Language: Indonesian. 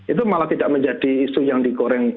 itu malah tidak menjadi isu yang digoreng